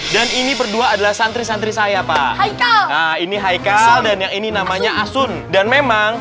dan ini berdua adalah santri santri saya pak ini hai kalau dan yang ini namanya asun dan memang